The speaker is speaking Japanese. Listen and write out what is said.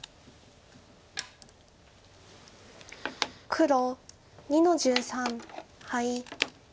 黒２の十三ハイ。